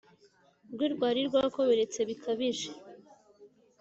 rwe rwari rwakomeretse bikabije